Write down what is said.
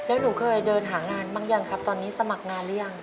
แล้วหนูเคยเดินหางานบ้างยังครับตอนนี้สมัครงานหรือยัง